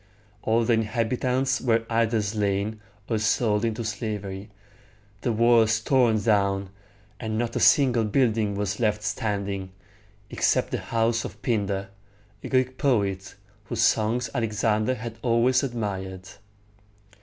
All the inhabitants were either slain or sold into slavery, the walls torn down, and not a single building was left standing, except the house of Pin´dar, a Greek poet, whose songs Alexander had always admired.